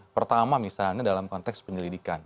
pertama misalnya dalam konteks penyelidikan